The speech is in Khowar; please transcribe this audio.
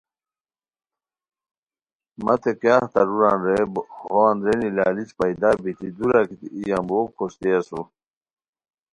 متے کیاغ تاروران! رے ہو اندرینی لالچ پیدا بیتی دورا گیتی ای یمبوؤ کھوشتے اسور